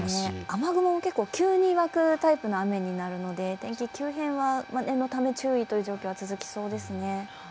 雨雲も結構急に湧くタイプの雨になるので天気、急変は念のため注意という状況は続きそうですね。